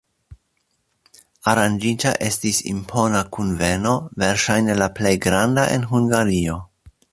Aranĝita estis impona kunveno, verŝajne la plej granda en Hungario.